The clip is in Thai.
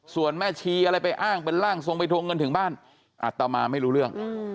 ส่วนแม่ชีอะไรไปอ้างเป็นร่างทรงไปทวงเงินถึงบ้านอัตมาไม่รู้เรื่อง